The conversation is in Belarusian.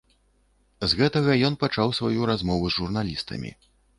З гэтага ён і пачаў сваю размову з журналістамі.